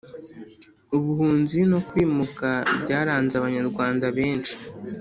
ubuhunzi no kwimuka byaranze abanyarwanda benshi,